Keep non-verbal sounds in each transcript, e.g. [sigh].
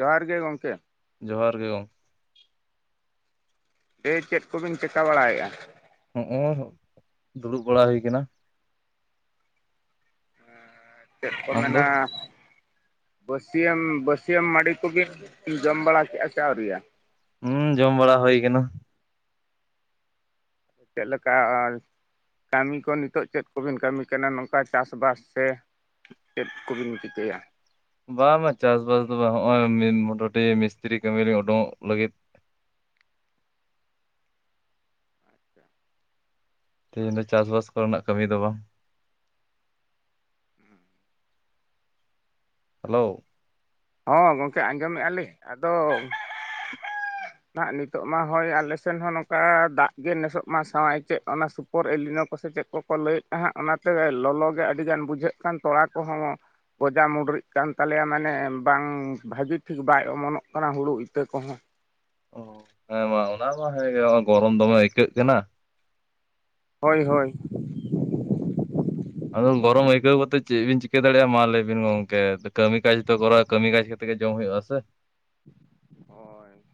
ᱡᱚᱦᱟᱨ ᱜᱮ ᱜᱚᱢᱠᱮ᱾ ᱡᱚᱦᱟᱨ ᱜᱤ ᱠᱚᱢ᱾ ᱮᱭ ᱪᱮᱫ ᱠᱚᱵᱤᱱ ᱪᱤᱠᱟᱹ ᱵᱟᱲᱟᱭᱮᱫ-ᱟ᱾ ᱦᱚᱸᱜ-ᱚ ᱦᱟᱸᱜ ᱫᱩᱲᱩᱵ ᱵᱟᱲᱟ ᱦᱩᱭ ᱠᱟᱱᱟ᱾ ᱪᱮᱫ ᱠᱚ ᱟᱢ ᱫᱚ ᱢᱮᱱᱟ᱾ ᱵᱟᱹᱥᱭᱟᱹᱢ ᱵᱟᱹᱥᱭᱟᱹᱢ ᱢᱟᱰᱤ ᱠᱚᱜᱮ ᱡᱚᱢ ᱵᱟᱲᱟ ᱠᱮᱫ-ᱟ ᱥᱮ ᱟᱹᱣᱨᱤᱭᱟ᱾ ᱦᱩᱸ ᱡᱚᱢ ᱵᱟᱲᱟ ᱦᱩᱭ ᱠᱟᱱᱟ᱾ ᱪᱮᱫ ᱞᱮᱠᱟ᱾ ᱠᱟᱹᱢᱤ ᱠᱚ ᱱᱤᱛᱚᱜ ᱪᱮᱫ ᱠᱚᱵᱮᱱ ᱠᱟᱹᱢᱤ ᱠᱟᱱᱟ ᱱᱚᱝᱠᱟ ᱪᱟᱥᱵᱟᱥ ᱥᱮ᱾ ᱪᱮᱫ ᱠᱚᱵᱤᱱ ᱪᱤᱠᱟᱹᱭᱟ᱾ ᱵᱟᱝ ᱵᱟᱝ ᱪᱟᱥ ᱵᱟᱥ ᱫᱚ ᱵᱟᱝ ᱦᱚᱜ-ᱚᱭ ᱢᱚᱴᱩᱴᱤ ᱢᱤᱥᱛᱨᱤ ᱠᱟᱹᱢᱤ ᱞᱤᱧ ᱩᱰᱩᱠᱚᱜ ᱞᱟᱹᱜᱤᱫ ᱛᱮᱦᱮᱧ ᱫᱚ ᱪᱟᱥ ᱵᱟᱥ ᱠᱚᱨᱮᱱᱟᱜ ᱠᱟᱹᱢᱤ ᱫᱚ ᱵᱟᱝ ᱦᱟᱞᱳ᱾ ᱦᱚᱸ ᱜᱚᱢᱠᱮ ᱟᱸᱡᱚᱢᱮᱫᱼᱟ ᱞᱤᱧ ᱟᱫᱚ ᱱᱟᱦᱟᱸᱜ ᱱᱤᱛᱚᱜ ᱢᱟ ᱦᱳᱭ ᱟᱞᱮ ᱥᱮᱱ ᱦᱚᱸ ᱱᱚᱝᱠᱟ ᱫᱟᱜ ᱜᱮ ᱱᱮᱥᱚᱜ ᱢᱟ ᱥᱟᱶᱟᱭ ᱠᱮᱫ ᱚᱱᱟ ᱥᱩ᱾ ᱯᱚᱨ ᱮᱞ ᱞᱤᱱᱳ ᱠᱚᱥᱮ ᱪᱮᱫ ᱠᱚᱠᱚ ᱞᱟᱹᱭᱮᱫᱼᱛᱟᱦᱮᱜ ᱚᱱᱟᱛᱮ ᱞᱚᱞᱚᱜᱮ ᱟᱹᱰᱤᱜᱟᱱ ᱵᱩᱡᱷᱟᱹᱜ ᱠᱟᱱ ᱛᱚᱲᱟ ᱠᱚᱦᱚᱸ᱾ ᱜᱚᱡᱟ ᱢᱩᱰᱨᱤᱜ ᱠᱟᱱ ᱛᱟᱞᱮᱭᱟ ᱢᱟᱱᱮ ᱵᱟᱝ ᱵᱷᱟᱹᱜᱤ ᱴᱷᱤᱠ ᱵᱟᱭ ᱚᱢᱚᱱᱚᱜ ᱠᱟᱱᱟ ᱦᱩᱲᱩ ᱤᱛᱟᱹ ᱠᱚᱦᱚᱸ᱾ ᱚ ᱦᱮᱸ ᱢᱟ ᱚᱱᱟ ᱢᱟ ᱦᱮᱸᱜᱮ ᱜᱚᱨᱚᱢ ᱫᱚᱢᱮ ᱟᱹᱭᱠᱟᱹᱜ ᱠᱟᱱᱟ᱾ ᱦᱳᱭ ᱦᱳᱭ᱾ ᱟᱫᱚ ᱜᱚᱨᱚᱢ ᱟᱹᱭᱠᱟᱹᱣ ᱠᱟᱛᱮᱫ ᱪᱮᱫ ᱵᱤᱱ ᱪᱤᱠᱟᱹ ᱫᱟᱲᱮᱭᱟᱜᱼᱟ ᱢᱟ ᱞᱟᱹᱭ ᱵᱤᱱ ᱜᱚᱝᱠᱮ ᱠᱟᱹᱢᱤ ᱠᱟᱡᱽ ᱛᱚ ᱠᱚᱨᱟᱣ ᱠᱟᱹᱢᱤ ᱠᱟᱡᱽ ᱠᱟᱛᱮ᱾ ᱛᱮᱜᱮ ᱡᱚᱢ ᱦᱩᱭᱩᱜᱼᱟ ᱥᱮ᱾ ᱦᱳᱭ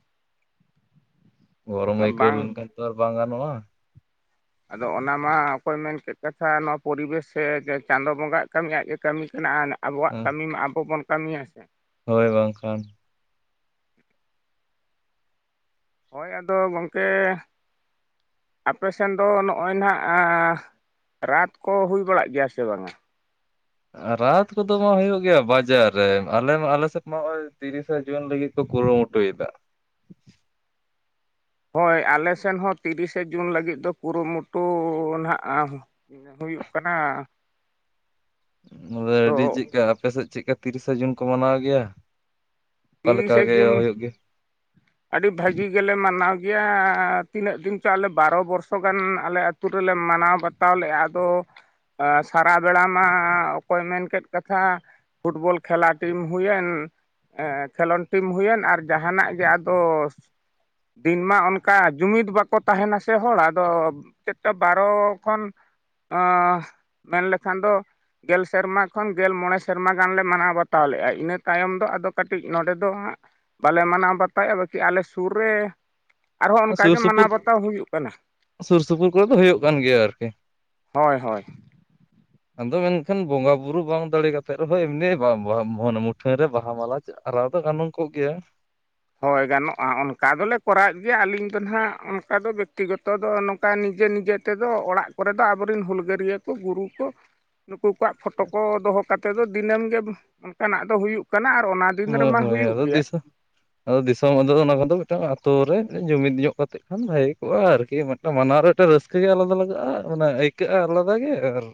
ᱜᱚᱨᱚᱢ ᱟᱹᱭᱠᱟᱹᱣ ᱵᱟᱝ ᱞᱮᱱᱠᱷᱟᱱ ᱛᱚ ᱟᱨ ᱵᱟᱝ ᱜᱟᱱᱚᱜᱼᱟ᱾ ᱟᱫᱚ ᱚᱱᱟ ᱢᱟ ᱚᱠᱚᱭ ᱢᱮᱱ ᱠᱮᱫᱮᱫ ᱠᱟᱛᱷᱟ ᱱᱚᱣᱟ ᱯᱚᱨᱤᱵᱮᱥ ᱥᱮ ᱪᱟᱸᱫᱳ ᱵᱚᱸᱜᱟᱜ ᱠᱟᱹᱢᱤᱭᱟᱜ ᱟᱡ ᱜᱮ ᱠᱟᱹᱢᱤ ᱠᱟᱱᱟᱭ ᱟᱵᱚᱣᱟᱜ ᱠᱟᱹᱢᱤ ᱢᱟ ᱟᱵᱚ ᱵᱚᱱ ᱠᱟᱹᱢᱤᱭᱟ ᱦᱮᱸ ᱥᱮ ᱦᱳᱭ ᱵᱟᱝ ᱠᱷᱟᱱ ᱦᱳᱭ ᱟᱫᱚ ᱜᱚᱢᱠᱮ ᱟᱯᱮ ᱥᱮᱱ ᱫᱚ ᱱᱚᱜᱼᱚᱭ ᱱᱟᱦᱱᱟ ᱮᱸ ᱨᱟᱛ ᱠᱚ ᱦᱩᱭ ᱵᱟᱲᱟᱜ ᱜᱮᱭᱟ ᱥᱮ ᱵᱟᱝᱟ? ᱨᱟᱛ ᱠᱚᱫᱚ ᱢᱟ ᱦᱩᱭᱩᱜ ᱜᱮᱭᱟ ᱵᱟᱡᱟᱨ ᱨᱮ ᱟᱞᱮ ᱢᱟ ᱟᱞᱮ ᱥᱮᱫ ᱢᱟ ᱱᱚᱜᱼᱚᱭ ᱛᱤᱨᱤᱥᱟ ᱡᱩᱱ ᱞᱟᱹᱜᱤᱫ ᱠᱚ ᱠᱩᱨᱩᱢᱩᱴᱩ ᱭᱮᱫᱟ᱾ ᱦᱳᱭ ᱟᱞᱮ ᱥᱮᱱ ᱦᱚᱸ ᱛᱤᱨᱤᱥᱮ ᱡᱩᱱ ᱞᱟᱹᱜᱤᱫ ᱫᱚ ᱠᱩᱨᱩᱢᱩᱴᱩ ᱱᱟᱦᱟᱜ ᱦᱩᱭᱩᱜ ᱠᱟᱱᱟ᱾ ᱟᱫᱚ ᱟᱹᱰᱤ ᱪᱮᱫᱠᱟ ᱟᱯᱮ ᱥᱮᱫ ᱪᱮᱫ ᱛᱤᱨᱤᱥᱟ ᱡᱩᱱ ᱠᱚ ᱢᱟᱱᱟᱣ ᱜᱮᱭᱟ᱾ ᱚᱠᱟ ᱞᱮᱠᱟ ᱛᱤᱨᱤᱥᱮ ᱜᱮ ᱡᱩᱱ ᱦᱩᱭᱩᱜ ᱜᱮᱭᱟ ᱟᱹᱰᱤ ᱵᱷᱟᱹᱜᱤ ᱜᱮᱞᱮ ᱢᱟᱱᱟᱣ ᱜᱮᱭᱟ ᱛᱤᱱᱟᱹᱜ ᱫᱤᱱ ᱪᱚ ᱟᱞᱮ ᱵᱟᱨᱚ ᱵᱚᱨᱥᱚ ᱜᱟᱱ ᱟᱞᱮ ᱯᱩᱨᱟᱹ ᱞᱮ ᱢᱟᱱᱟᱣ ᱵᱟᱛᱟᱣ ᱞᱮᱫᱼᱟ ᱟᱫᱚ ᱮᱸᱥᱟᱨᱟ ᱵᱮᱲᱟ ᱢᱟ ᱚᱠᱚᱭ ᱢᱮᱱ ᱠᱮᱫ ᱠᱟᱛᱷᱟ᱾ ᱯᱷᱩᱴᱵᱚᱞ ᱠᱷᱮᱞᱟ ᱴᱤᱢ ᱦᱩᱭᱮᱱ, ᱠᱷᱮᱞᱳᱰ ᱴᱤᱢ ᱦᱩᱭᱮᱱ ᱟᱨ ᱡᱟᱦᱟᱱᱟᱜ ᱜᱮ ᱟᱫᱚ, ᱫᱤᱱ ᱢᱟ ᱚᱱᱠᱟ ᱡᱩᱢᱤᱫ ᱵᱟᱠᱚ ᱛᱟᱦᱮᱱᱟ ᱥᱮ ᱦᱚᱲ ᱟᱫᱚᱼᱼ [unintelligible] ᱵᱟᱨᱚ ᱠᱷᱚᱱ ᱢᱮᱱ ᱞᱮᱠᱷᱟᱱ ᱫᱚ ᱼᱼ ᱜᱮᱞ ᱥᱮᱨᱢᱟ ᱠᱷᱚᱱ ᱜᱮᱞ ᱢᱚᱬᱮ ᱥᱮᱨᱢᱟ ᱜᱟᱱᱞᱮ ᱢᱟᱱᱟᱣ ᱵᱟᱛᱟᱣ ᱞᱮᱫᱜᱼᱟ ᱤᱱᱟᱹ ᱛᱟᱭᱚᱢ ᱫᱚ ᱟᱫᱚ ᱠᱟᱹᱴᱤᱡᱼᱼ ᱠᱟᱹᱴᱤᱡ ᱱᱚᱰᱮ ᱫᱚ ᱦᱟᱸᱜ ᱵᱟᱞᱮ ᱢᱟᱱᱟᱣ ᱵᱟᱛᱟᱣᱼᱟ ᱵᱟᱹᱠᱤ ᱟᱞᱮ ᱥᱩᱨ ᱨᱮᱼᱼ ᱟᱨᱦᱚᱸ ᱚᱱᱠᱟ ᱥᱩᱨ ᱜᱮ ᱥᱩᱯᱩᱨ ᱢᱟᱱᱟᱣ ᱵᱟᱛᱟᱣ ᱦᱩᱭᱩᱜ ᱠᱟᱱᱟ᱾ ᱥᱩᱨ ᱥᱩᱯᱩᱨ ᱠᱚᱨᱮ ᱫᱚ ᱦᱩᱭᱩᱜ ᱠᱟᱱ ᱜᱮᱭᱟ ᱟᱨᱠᱤ ᱦᱳᱭ ᱦᱳᱭ᱾ ᱟᱫᱚ ᱢᱮᱱᱠᱷᱟᱱ ᱵᱚᱸᱜᱟ ᱵᱩᱨᱩ ᱵᱟᱝ ᱫᱟᱲᱮ ᱠᱟᱛᱮᱫ ᱨᱮᱦᱚᱸ ᱮᱢᱱᱤ ᱢᱩᱴᱷᱟᱹᱱ ᱨᱮ ᱵᱟᱦᱟ ᱢᱟᱞᱟᱼᱼ ᱟᱨᱟᱣ ᱫᱚ ᱜᱟᱱᱚᱝ ᱠᱚᱜ ᱜᱮᱭᱟ᱾ ᱦᱚᱭ ᱜᱟᱱᱚᱜᱼᱟ ᱚᱱᱠᱟ ᱫᱚᱞᱮ ᱠᱚᱨᱟᱣᱮᱫ ᱜᱮᱭᱟ ᱟᱹᱞᱤᱧ ᱫᱚ ᱱᱟᱦᱟᱜ ᱚᱱᱠᱟ ᱫᱚ ᱵᱮᱠᱛᱤᱜᱚᱛᱚ ᱫᱚᱝᱠᱟᱼᱼ ᱚᱱᱠᱟ ᱱᱤᱡᱮ ᱱᱤᱡᱮ ᱛᱮᱫᱚ ᱚᱲᱟᱜ ᱠᱚᱨᱮ ᱫᱚ ᱟᱵᱚᱨᱮᱱ ᱦᱩᱞᱜᱟᱹᱨᱭᱟᱹ ᱠᱚ ᱜᱩᱨᱩ ᱠᱚ ᱾ ᱱᱩᱠᱩ ᱠᱚᱣᱟᱜ ᱯᱷᱳᱴᱳ ᱠᱚ ᱫᱚᱦᱚ ᱠᱟᱛᱮᱫ ᱫᱚ ᱫᱤᱱᱟᱹᱢ ᱜᱮ ᱚᱱᱠᱟᱱᱟᱜ ᱫᱚ ᱦᱩᱭᱩᱜ ᱠᱟᱱᱟ ᱟᱨ ᱚᱱᱟᱼᱼ ᱦᱚᱭ ᱦᱚᱭ ᱟᱫᱚ ᱫᱤᱥᱟᱹᱼᱼ ᱟᱫᱚ ᱫᱤᱥᱚᱢ ᱟᱫᱚ ᱚᱱᱟ ᱠᱚᱫᱚ ᱢᱤᱫᱴᱟᱝ ᱟᱛᱳ ᱨᱮ ᱡᱩᱢᱤᱫ ᱧᱚᱜ ᱠᱟᱛᱮᱫ ᱠᱷᱟᱱ ᱵᱷᱟᱹᱜᱤ ᱠᱚᱜᱼᱟ ᱟᱨᱠᱤᱼᱼ ᱢᱟᱱᱟᱣ ᱨᱮ ᱢᱤᱫᱴᱟ ᱨᱟᱹᱥᱠᱟᱹ ᱜᱮ ᱟᱞᱟᱫᱟ ᱞᱟᱜᱟᱜᱼᱟ ᱢᱟᱱᱮ ᱟᱹᱭᱠᱟᱹᱜᱼᱟ ᱟᱞᱟᱫᱟ ᱜᱮ ᱟᱨᱼᱼ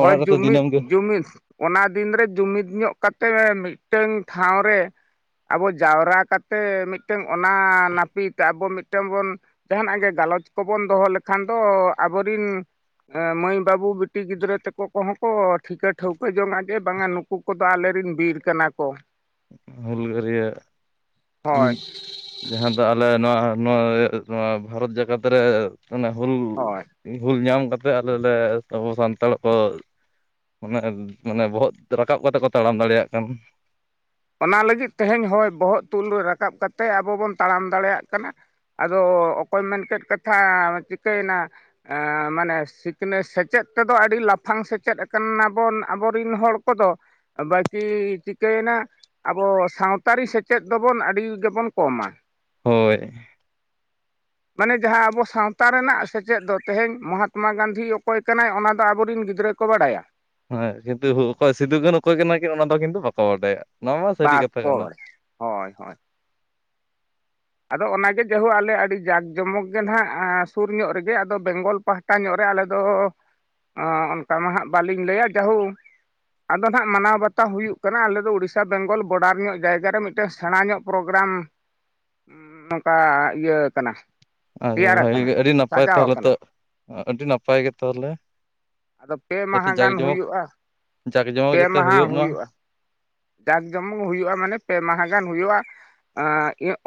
ᱦᱳᱭ ᱡᱩᱢᱤᱫ ᱫᱤᱱᱟᱹᱢ ᱜᱮ ᱡᱩᱢᱤᱫ᱾ ᱚᱱᱟ ᱫᱤᱱᱨᱮ ᱡᱩᱢᱤᱫ ᱧᱚᱜ ᱠᱟᱛᱮᱫ ᱢᱤᱫᱴᱟᱝ ᱴᱷᱟᱶ ᱨᱮᱼᱼ ᱟᱵᱚ ᱡᱟᱣᱨᱟ ᱠᱟᱛᱮᱫ ᱢᱤᱫᱴᱟᱝ ᱚᱱᱟ ᱱᱟᱹᱯᱤᱛ ᱟᱵᱚ ᱢᱤᱫᱴᱟᱝ ᱵᱚᱱᱼᱼ ᱡᱟᱦᱟᱱᱟᱜ ᱜᱮ ᱜᱟᱞᱚᱪ ᱠᱚᱵᱚᱱ ᱫᱚᱦᱚ ᱞᱮᱠᱷᱟᱱ ᱫᱚ ᱟᱵᱚᱨᱤᱱᱼᱼ ᱦᱮ ᱢᱟᱹᱭ ᱵᱟᱹᱵᱩ ᱵᱤᱴᱤ ᱜᱤᱫᱽᱨᱟᱹᱼᱼ ᱛᱟᱠᱚ ᱠᱚᱦᱚᱸ ᱠᱚ ᱴᱷᱤᱠᱟᱹ ᱴᱷᱟᱹᱣᱠᱟᱹ ᱡᱚᱝᱟ ᱡᱮ ᱵᱟᱝᱟ ᱱᱩᱠᱩ ᱠᱚᱫᱚ ᱟᱞᱮᱨᱮ ᱨᱮᱱ ᱵᱤᱨ ᱠᱟᱱᱟ ᱠᱚ᱾ ᱦᱩᱞᱜᱟᱹᱨᱤᱭᱟᱹᱼᱼ ᱦᱳᱭ ᱡᱟᱦᱟᱸ ᱫᱚ ᱟᱞᱮ ᱱᱚᱣᱟ ᱱᱚᱣᱟ ᱱᱚᱣᱟ ᱵᱷᱟᱨᱚᱛ ᱡᱟᱠᱟᱛ ᱨᱮ ᱮ ᱦᱩᱞᱼᱼ ᱦᱳᱭ ᱵᱷᱩᱞ ᱧᱟᱢ ᱠᱟᱛᱮᱜ ᱟᱞᱮ ᱞᱮ ᱟᱵᱚ ᱥᱟᱱᱛᱟᱲ ᱠᱚ ᱾ ᱢᱟᱱᱮ ᱢᱟᱱᱮ ᱵᱚᱦᱚᱜ ᱨᱟᱠᱟᱵ ᱠᱟᱛᱮᱜ ᱠᱚ ᱛᱟᱲᱟᱢ ᱫᱟᱲᱮᱭᱟᱜ ᱠᱟᱱ᱾ ᱚᱱᱟ ᱞᱟᱹᱜᱤᱫ ᱛᱮᱦᱮᱧ ᱦᱳᱭ ᱵᱚᱦᱚᱜ ᱛᱩᱞ ᱨᱮ ᱨᱟᱠᱟᱵ ᱠᱟᱛᱮ ᱟᱵᱚ ᱵᱚᱱ ᱛᱟᱲᱟᱢ ᱫᱟᱲᱮᱭᱟᱜ ᱠᱟᱱᱟ᱾ ᱟᱫᱚ ᱚᱠᱚᱭ ᱢᱮᱱ ᱠᱮᱫ ᱠᱟᱛᱷᱟ ᱪᱤᱠᱟᱹᱭᱱᱟ, ᱢᱟᱱᱮ ᱥᱤᱠᱷᱱᱟᱹᱛ ᱥᱮᱪᱮᱫ ᱛᱮᱫᱚ ᱟᱹᱰᱤ ᱞᱟᱯᱷᱟᱝ ᱥᱮᱪᱮᱫ ᱟᱠᱟᱱᱟᱵᱚᱱ ᱟᱵᱚ ᱨᱮᱱ ᱦᱚᱲ ᱠᱚᱫᱚ᱾ ᱵᱟᱹᱠᱤ ᱪᱤᱠᱟᱭᱱᱟᱼᱼ ᱟᱵᱚ ᱥᱟᱶᱛᱟᱨᱤ ᱥᱮᱪᱮᱫ ᱫᱚᱵᱚᱱ ᱟᱹᱰᱤ ᱜᱮᱵᱚᱱ ᱠᱚᱢᱟ᱾ ᱦᱳᱭ᱾ ᱢᱟᱱᱮ ᱡᱟᱸᱦᱟ ᱟᱵᱚ ᱥᱟᱶᱛᱟ ᱨᱮᱱᱟᱜ ᱥᱮᱪᱮᱫ ᱫᱚ ᱛᱮᱦᱮᱧ ᱢᱚᱦᱟᱛᱢᱟ ᱜᱟᱱᱫᱷᱤ ᱚᱠᱚᱭ ᱠᱟᱱᱟᱭ ᱚᱱᱟ ᱫᱚ ᱟᱵᱚᱨᱤᱱ ᱜᱤᱫᱽᱨᱟᱹᱼᱼ ᱠᱚ ᱵᱟᱰᱟᱭᱟ᱾ ᱦᱳᱭ ᱠᱤᱱᱛᱩ ᱚᱠᱚᱭ ᱥᱤᱫᱩ ᱠᱟᱱᱩ ᱚᱠᱚᱭ ᱠᱟᱱᱟ ᱠᱤᱱ ᱚᱱᱟ ᱫᱚ ᱠᱤᱱᱛᱩ ᱵᱟᱠᱚ ᱵᱟᱰᱟᱭᱟ᱾ ᱱᱚᱣᱟ ᱢᱟ ᱥᱟᱹᱨᱤ ᱠᱟᱛᱷᱟ ᱵᱟᱠᱚ ᱠᱟᱱᱟ ᱵᱟᱲᱟᱭᱟ ᱦᱳᱭ ᱦᱳᱭ᱾ ᱟᱫᱚ ᱚᱱᱟᱜᱮ ᱡᱟᱭᱦᱳᱠ ᱟᱞᱮ ᱟᱹᱰᱤ ᱡᱟᱠ ᱡᱚᱢᱚᱠ ᱜᱮ ᱱᱟᱜ ᱥᱩᱨ ᱧᱚᱜ ᱨᱮᱜᱮ ᱟᱫᱚ ᱵᱮᱝᱜᱚᱞ ᱯᱟᱦᱴᱟᱼᱼ ᱚᱱᱠᱟ ᱧᱚᱜ ᱨᱮ ᱟᱞᱮ ᱫᱚ ᱚᱱᱠᱟ ᱢᱟ ᱦᱟᱜ ᱵᱟᱹᱞᱤᱧ ᱞᱟᱹᱭᱟ ᱡᱟᱹᱦᱩᱼᱼ ᱟᱫᱚ ᱱᱟᱦᱟᱜ ᱢᱟᱱᱟᱣ ᱵᱟᱛᱟᱣ ᱦᱩᱭᱩᱜ ᱠᱟᱱᱟ ᱟᱞᱮᱫᱚ ᱩᱳᱲᱤᱥᱥᱟ ᱵᱮᱝᱜᱚᱞ ᱵᱚᱰᱟᱨ ᱧᱚᱜ ᱡᱟᱭᱜᱟ ᱨᱮ ᱢᱤᱫᱴᱟᱱ ᱥᱮᱬᱟ ᱧᱚᱜ ᱯᱨᱳᱜᱨᱟᱢᱼᱼ ᱱᱚᱝᱠᱟ ᱤᱭᱟᱹ ᱠᱟᱱᱟ᱾ ᱟᱫᱚ ᱛᱮᱭᱟᱨ ᱵᱷᱟᱹᱜᱤ ᱟᱠᱟᱱᱟ ᱜᱮ ᱟᱹᱰᱤ ᱱᱟᱯᱟᱭ ᱥᱟᱡᱟᱣ ᱛᱟᱦᱚᱞᱮ ᱛᱚ ᱟᱠᱟᱱᱟ ᱟᱹᱰᱤ ᱱᱟᱯᱟᱭ ᱜᱮ ᱛᱟᱦᱚᱞᱮ᱾ ᱟᱫᱚ ᱯᱮ ᱡᱟᱛᱮ ᱢᱟᱦᱟ ᱡᱟᱠ ᱜᱟᱱ ᱡᱚᱢᱚᱠ ᱦᱩᱭᱩᱜᱼᱟ᱾ ᱡᱟᱠ ᱡᱚᱢᱚᱠ ᱯᱮ ᱡᱟᱛᱮ ᱢᱟᱦᱟ ᱦᱩᱭᱩᱜ ᱢᱟ ᱦᱩᱭᱩᱜᱼᱟ ᱡᱟᱠ ᱡᱚᱢᱚᱠ ᱦᱩᱭᱩᱜᱼᱟ ᱢᱟᱱᱮ ᱯᱮ ᱢᱟᱦᱟ ᱜᱟᱱ ᱦᱩᱭᱩᱜᱼᱟ᱾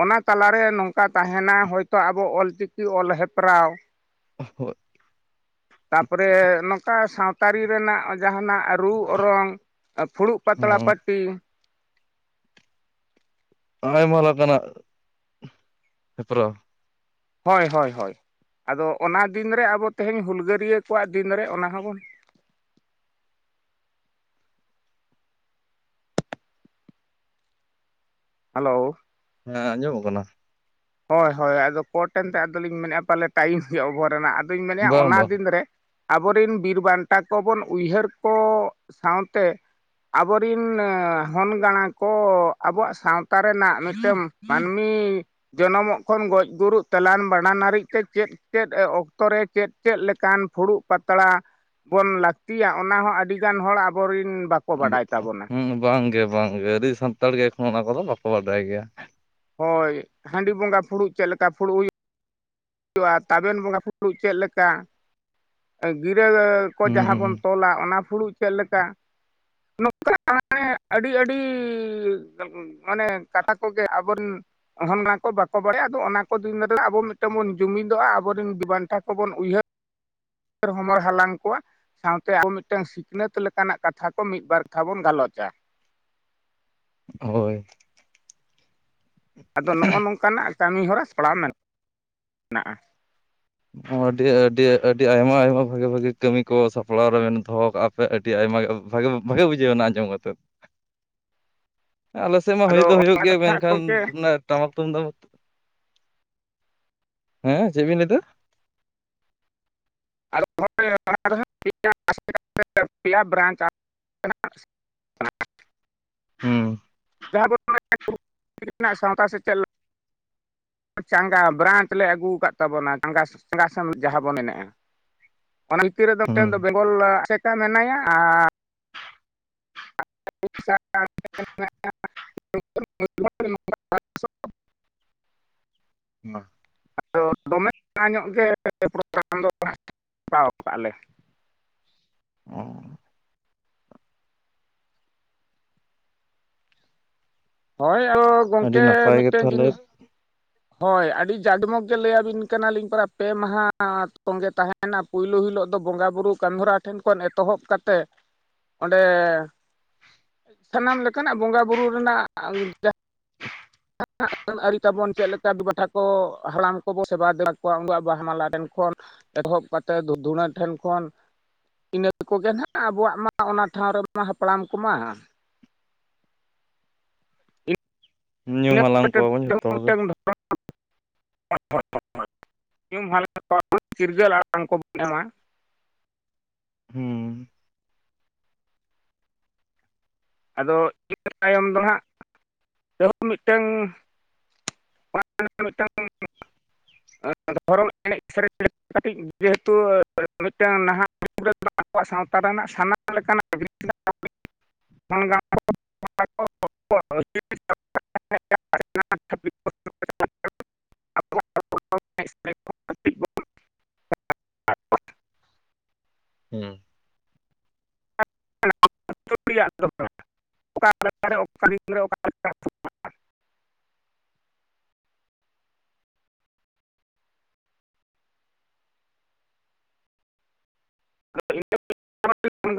ᱚᱱᱟ ᱛᱟᱞᱟᱨᱮ ᱱᱚᱝᱠᱟ ᱛᱟᱦᱮᱱᱟ ᱦᱚᱭᱛᱚ ᱟᱵᱚ ᱚᱞᱪᱤᱠᱤ ᱚᱞ ᱦᱮᱯᱨᱟᱣᱼᱼ ᱦᱳᱭ ᱛᱟᱯᱚᱨᱮ ᱱᱚᱝᱠᱟ ᱥᱟᱶᱛᱟ ᱟᱨᱤ ᱨᱮᱱᱟᱜ ᱡᱟᱸᱦᱟᱱᱟᱜ ᱨᱩ ᱚᱨᱚᱝ ᱯᱷᱩᱲᱩᱜ ᱯᱟᱛᱲᱟ ᱦᱩᱸ ᱯᱟᱹᱴᱤ ᱟᱭᱢᱟ ᱞᱮᱠᱟᱱᱟᱜ, ᱦᱮᱯᱨᱟᱣ ᱦᱳᱭ ᱦᱳᱭ ᱦᱳᱭ ᱟᱫᱚ ᱚᱱᱟ ᱫᱤᱱ ᱨᱮ ᱟᱵᱚ ᱛᱮᱦᱮᱧ ᱦᱩᱞᱜᱟᱹᱨᱭᱟᱹ ᱠᱚᱣᱟᱜ ᱫᱤᱱᱨᱮ ᱚᱱᱟ ᱦᱚᱸᱵᱚᱱ ᱦᱮᱞᱳ ᱦᱮᱸ ᱟᱸᱡᱚᱢᱚᱜ ᱠᱟᱱᱟ ᱦᱳᱭ ᱦᱳᱭ ᱟᱫᱚ ᱠᱳᱴ ᱮᱱᱛᱮ ᱟᱫᱚᱞᱤᱧ ᱢᱮᱱᱮᱫᱼᱟ ᱯᱟᱞᱮ ᱴᱟᱭᱤᱢ ᱜᱮ ᱚᱵᱷᱟᱨ ᱮᱱᱟ ᱟᱫᱚᱧ ᱢᱮᱱᱮᱜᱼᱟ ᱵᱟᱝ ᱚᱱᱟ ᱵᱟᱝ ᱫᱤᱱ ᱨᱮ ᱟᱵᱚᱨᱮᱱ ᱵᱤᱨ ᱵᱟᱱᱴᱟ ᱠᱚᱵᱚᱱ ᱩᱭᱦᱟᱹᱨ ᱠᱚ ᱥᱟᱶᱛᱮ ᱟᱵᱚᱨᱤᱱ ᱦᱚᱱ ᱜᱟᱸᱲᱟ ᱠᱚ ᱟᱵᱚᱣᱟᱜ ᱥᱟᱶᱛᱟ ᱨᱮᱱᱟᱜ ᱢᱤᱫᱴᱟᱝ ᱢᱟᱹᱱᱢᱤ ᱡᱚᱱᱚᱢᱚᱜ ᱠᱷᱚᱱ ᱜᱚᱡ ᱜᱩᱨᱩᱜ ᱛᱮᱞᱟᱱ ᱵᱷᱟᱸᱰᱟᱱ ᱦᱟᱨᱤᱡ ᱛᱮ ᱪᱮᱫ ᱪᱮᱫ ᱚᱠᱛᱚ ᱨᱮ ᱪᱮᱫ ᱪᱮᱫ ᱞᱮᱠᱟᱱ ᱯᱷᱩᱲᱩᱜ ᱯᱟᱛᱲᱟ ᱵᱚᱱ ᱞᱟᱠᱛᱤᱭᱟ ᱚᱱᱟ ᱦᱚᱸ ᱟᱹᱰᱤᱜᱟᱱ ᱦᱚᱲ ᱟᱵᱚᱨᱮᱱ ᱵᱟᱠᱚ ᱵᱟᱰᱟᱭ ᱛᱟᱵᱚᱱᱟ ᱦᱩᱸ ᱵᱟᱝᱜᱮ ᱵᱟᱝᱜᱮ ᱟᱹᱰᱤ ᱥᱟᱱᱛᱟᱲ ᱜᱮ ᱮᱠᱷᱚᱱ ᱦᱚᱸ ᱚᱱᱟ ᱠᱚᱫᱚ ᱵᱟᱠᱚ ᱵᱟᱰᱟᱭ ᱜᱮᱭᱟ ᱦᱳᱭ ᱦᱟᱺᱰᱤ ᱵᱚᱸᱜᱟ ᱯᱷᱩᱲᱩᱜ ᱪᱮᱫ ᱞᱮᱠᱟ ᱯᱷᱩᱲᱩᱜ ᱦᱩᱭᱩᱜ ᱦᱩᱭᱩᱜᱼᱟ, ᱛᱟᱵᱮᱱ ᱵᱚᱸᱜᱟ ᱯᱷᱩᱲᱩᱜ ᱪᱮᱫ ᱞᱮᱠᱟ? ᱜᱤᱨᱟᱹ ᱠᱚ ᱡᱟᱸᱦᱟ ᱵᱚᱱ ᱦᱩᱸ ᱛᱚᱞᱟ ᱚᱱᱟ ᱯᱷᱩᱲᱩᱜ ᱪᱮᱫᱞᱮᱠᱟ? ᱱᱚᱝᱠᱟ [inaudible] ᱟᱹᱰᱤ ᱟᱹᱰᱤ ᱢᱟᱱᱮ ᱠᱟᱛᱷᱟ ᱠᱚᱜᱮ ᱟᱵᱚᱨᱮᱱ ᱦᱚᱱ ᱱᱟᱠᱚ ᱵᱟᱠᱚ ᱵᱟᱲᱟᱭᱟ ᱟᱫᱚ ᱚᱱᱟ ᱠᱚ ᱫᱤᱱ ᱨᱮ ᱟᱵᱚ ᱢᱤᱫ ᱵᱚᱱ ᱡᱩᱢᱤᱫᱚᱜᱼᱟ, ᱟᱵᱚᱨᱮᱱ ᱵᱤᱨᱵᱟᱱᱴᱟ ᱠᱚᱵᱚᱱ ᱩᱭᱦᱟᱹᱨ [unintelligible] ᱦᱚᱢᱚᱨ ᱦᱟᱞᱟᱝ ᱠᱚᱣᱟ ᱥᱟᱶᱛᱮ ᱟᱵᱚ ᱢᱤᱫᱴᱟᱹᱝ ᱥᱤᱠᱷᱱᱟᱹᱛ ᱞᱮᱠᱟᱱᱟᱜ ᱠᱟᱛᱷᱟ ᱠᱚ ᱢᱤᱫ ᱵᱟᱨ ᱠᱟᱛᱷᱟ ᱵᱚᱱ ᱜᱟᱞᱚᱪᱟ ᱦᱳᱭ ᱟᱫᱚ ᱱᱚᱜᱼᱚ ᱱᱚᱝᱠᱟᱱᱟᱜ ᱠᱟᱹᱢᱤ ᱦᱚᱨᱟ ᱥᱟᱯᱲᱟᱣ ᱢᱮᱱᱟ, ᱢᱮᱱᱟᱜᱼᱟ ᱟᱹᱰᱤ ᱟᱹᱰᱤ ᱟᱹᱰᱤ ᱟᱭᱢᱟ ᱟᱭᱢᱟ ᱵᱷᱟᱜᱮ ᱵᱷᱟᱜᱮ ᱠᱟᱹᱢᱤ ᱠᱚ ᱥᱟᱯᱲᱟᱣ ᱨᱮ ᱵᱮᱱ ᱫᱚᱦᱚ ᱠᱟᱜᱼᱟ ᱟᱹᱰᱤ ᱟᱭᱢᱟ ᱵᱷᱟᱜᱮ ᱵᱷᱟᱜᱮ ᱵᱩᱡᱷᱟᱹᱣᱱᱟ ᱟᱸᱡᱚᱢ ᱠᱟᱛᱮᱫ ᱦ [inaudible] ᱟᱞᱮ ᱥᱮᱫ ᱢᱟ ᱦᱳᱭ ᱫᱚ ᱦᱳᱭᱳᱜ ᱜᱮᱭᱟ ᱦᱟᱸᱜ ᱢᱮᱱᱠᱷᱟᱱ ᱜᱚᱢᱠᱮ [unintelligible] ᱴᱟᱢᱟᱠ ᱛᱩᱢᱫᱟᱜ, [unintelligible] ᱦᱮᱸ ᱪᱮᱫ ᱵᱤᱱ ᱞᱟᱹᱭ ᱫᱟ? [inaudible] ᱦᱩᱸ [unintelligible] ᱥᱟᱶᱛᱟ ᱥᱮᱪᱮᱫ ᱞᱮᱠᱟ ᱪᱟᱸᱜᱟ ᱵᱨᱟᱧᱪ ᱞᱮ ᱟᱹᱜᱩ ᱠᱟᱫ ᱛᱟᱵᱚᱱᱟ ᱪᱟᱸᱜᱟ ᱪᱟᱸᱜᱟᱥᱢ ᱡᱟᱦᱟᱸ ᱵᱚᱱ ᱢᱮᱱᱮᱼᱟ ᱚᱱᱟ ᱵᱷᱤᱛᱤᱨ ᱨᱮᱫᱚ ᱦᱩᱸ ᱢᱤᱫᱴᱮᱱ ᱫᱚ ᱵᱮᱝᱜᱚᱞ ᱟᱥᱮᱠᱟ ᱢᱮᱱᱟᱭᱟ ᱟᱨ [inaudible] [inaudible] ᱢᱟ ᱟᱫᱚ ᱫᱚᱢᱮ ᱚᱱᱟᱟ ᱧᱚᱜ ᱜᱮ [inaudible] ᱚ ᱦᱳᱭ ᱟᱫᱚ ᱟᱹᱰᱤ ᱜᱚᱢᱠᱮ ᱱᱟᱯᱟᱭ ᱜᱮ ᱢᱤᱫᱴᱮᱱ ᱛᱟᱦᱚᱞᱮ ᱡᱤᱱᱤᱥ ᱦᱳᱭ ᱟᱹᱰᱤ ᱡᱟᱰᱢᱚᱜᱽ ᱜᱮ ᱞᱟᱹᱭᱟᱵᱤᱱ ᱠᱟᱱᱟᱞᱤᱧ ᱯᱮ ᱢᱟᱦᱟ ᱛᱚᱸᱜᱮ ᱛᱟᱦᱮᱸ ᱛᱟᱦᱮᱱᱟ ᱯᱩᱭᱞᱩ ᱦᱤᱞᱳᱜ ᱫᱚ ᱵᱚᱸᱜᱟᱼ ᱵᱩᱨᱩ ᱠᱟᱹᱢᱤ ᱦᱚᱨᱟ ᱴᱷᱮᱱ ᱠᱷᱚᱱ ᱮᱛᱚᱦᱚᱵ ᱠᱟᱛᱮᱫ ᱚᱸᱰᱮ, ᱥᱟᱱᱟᱢ ᱞᱮᱠᱟᱱᱟᱜ ᱵᱚᱸᱜᱟᱼ ᱵᱩᱨᱩ ᱨᱮᱱᱟᱜ ᱡᱟᱦᱟᱸ ᱡᱟᱦ ᱟᱹᱱ ᱟᱹᱨᱤ ᱛᱟᱵᱚᱱ ᱪᱮᱫ ᱞᱮᱠᱟ ᱫᱵᱴᱷᱟ ᱠᱚ ᱦᱟᱲᱟᱢ ᱠᱚᱵᱚ ᱥᱮᱵᱟ ᱫᱮᱵᱟ ᱠᱚᱣᱟ [unintelligible] ᱢᱟᱞᱟ ᱨᱮᱱ ᱠᱷᱚᱱ ᱮᱛᱚᱵ ᱠᱟᱛᱮᱫ ᱫᱷᱩᱲ ᱫᱷᱩᱲᱟᱹ ᱴᱷᱮᱱ ᱠᱷᱚᱱ ᱤᱱᱟᱹ ᱠᱚᱜᱮ ᱱᱟᱦᱟᱜ ᱟᱵᱚᱣᱟᱜ ᱢᱟ ᱚᱱᱟ ᱴᱷᱟᱶ ᱨᱮᱢᱟ ᱦᱟᱯᱲᱟᱢ ᱠᱚᱢᱟ᱾ ᱧᱩᱢ ᱦᱟᱞᱟᱝ ᱠᱚᱣᱟᱵᱚᱱ ᱡᱷᱚᱛᱚ ᱦᱚᱲ ᱜᱮ [unintelligible] [unintelligible] ᱪᱤᱨᱜᱟᱹᱞ ᱟᱲᱟᱝ ᱠᱚ ᱧᱟᱢᱟ᱾ ᱦᱩᱸ᱾ ᱟᱫᱚ ᱤᱱᱟᱹ ᱛᱟᱭᱚᱢ ᱫᱚ ᱦᱟᱸᱜ ᱨᱮᱦᱚᱸ ᱢᱤᱫᱴᱟᱝ [unintelligible] ᱚᱱᱟ ᱢᱤᱫᱴᱟᱝ ᱫᱷᱚᱨᱚᱢ ᱮᱱᱮᱡ ᱥᱮᱨᱮᱧ ᱠᱟᱹᱴᱤᱡ ᱡᱮᱦᱮᱛᱩ ᱢᱤᱫᱴᱟᱝ ᱱᱟᱦᱟᱜ [unintelligible] ᱥᱟᱣᱛᱟ ᱨᱮᱱᱟᱜ ᱥᱟᱱᱟᱢ ᱞᱮᱠᱟᱱᱟᱜ [unintelligible] [unintelligible] [unintelligible] ᱟᱨ [unintelligible] ᱦᱩᱸ᱾ [unintelligible] ᱨᱮᱭᱟᱜ ᱫᱚ ᱚᱠᱟ ᱞᱮᱠᱟᱨᱮ ᱚᱠᱟ ᱫᱤᱱᱨᱮ ᱚᱠᱟ [unintelligible] [unintelligible]